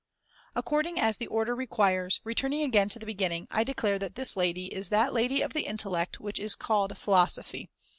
] According as the order requires, returning again Of de to the beginning, I declare that this lady is that finitions lady of the intellect which is called philosophy.